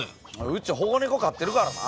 うち保護ネコ飼ってるからな。